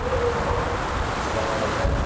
はいこちらでございます。